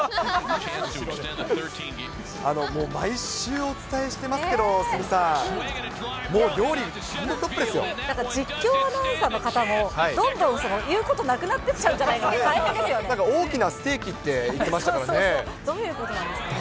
もう毎週お伝えしてますけど、鷲見さん、もう、ただ実況アナウンサーの方も、どんどん言うことなくなってきちゃうんじゃないかって、大変です大きなステーキって言ってまどういうことなんですかね。